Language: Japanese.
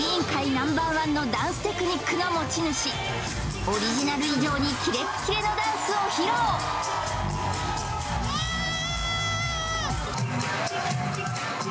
ナンバーワンのダンステクニックの持ち主オリジナル以上にキレッキレのダンスを披露わあーっ！